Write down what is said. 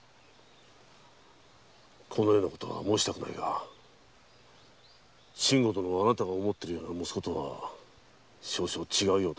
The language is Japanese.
このようなことは申したくないが信吾殿はあなたが思っているような息子とは少々違うようだ。